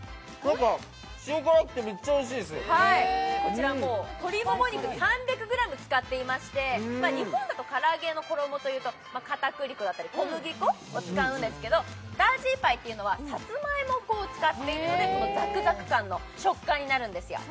塩辛くてめっちゃおいしいですこちら鶏もも肉３００ｇ使っていまして、日本だと唐揚げの衣というとかたくり粉や小麦粉を使うんですが大ジーパイというのはサツマイモ粉を使っているのでこのザクザク感の食感になるんですよ。